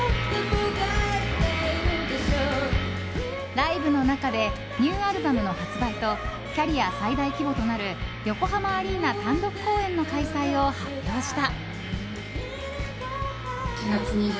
ライブの中でニューアルバムの発売とキャリア最大規模となる横浜アリーナ単独公演の開催を発表した。